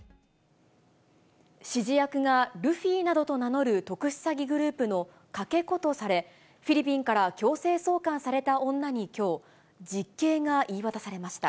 指示役がルフィなどと名乗る特殊詐欺グループのかけ子とされ、フィリピンから強制送還された女にきょう、実刑が言い渡されました。